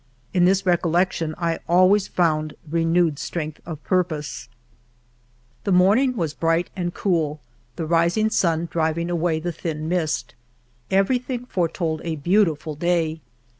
In this recollection I always found renewed strength of purpose. The morning was bright and cool, the rising sun driving away the thin mist; everything fore told a beautiful day.